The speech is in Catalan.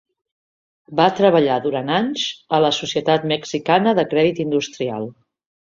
Va treballar, durant anys, a la Societat Mexicana de Crèdit Industrial.